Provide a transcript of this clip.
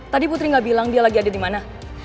tadi putri gak bilang dia lagi ada dimana